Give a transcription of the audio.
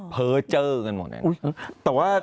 เพอเจ้อกันหมดเองแต่ว่า